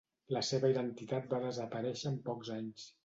La seva identitat va desaparèixer en pocs anys.